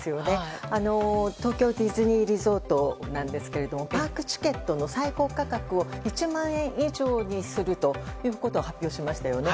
東京ディズニーリゾートなんですけどもパークチケットの最高価格を１万円以上にするということを発表しましたよね。